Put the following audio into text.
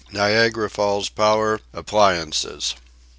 NIAGARA FALLS POWER APPLIANCES.